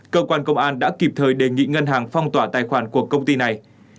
cơ quan công an đã kịp thời đề nghị ngân hàng phong tỏa tài khoản của công ty này